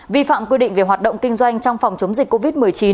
vi phạm quy định về hoạt động kinh doanh trong phòng chống dịch covid một mươi chín